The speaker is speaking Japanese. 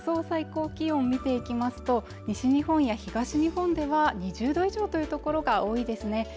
最高気温見ていきますと西日本や東日本では２０度以上という所が多いですね